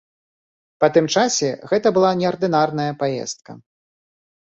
Па тым часе гэта была неардынарна паездка.